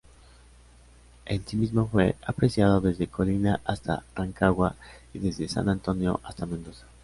El sismo fue apreciado desde Colina hasta Rancagua y desde San Antonio hasta Mendoza.